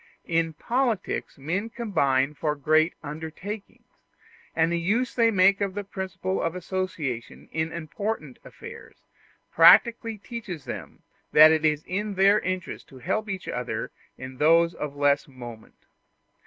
In politics men combine for great undertakings; and the use they make of the principle of association in important affairs practically teaches them that it is their interest to help each other in those of less moment.